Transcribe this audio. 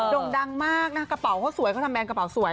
่งดังมากนะกระเป๋าเขาสวยเขาทำแนนกระเป๋าสวย